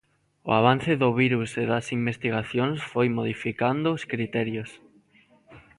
O avance do virus e das investigacións foi modificando os criterios.